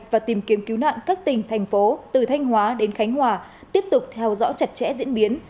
và tìm kiếm cứu nạn các tỉnh thành phố từ thanh hóa đến khánh hòa tiếp tục theo dõi chặt chẽ diễn biến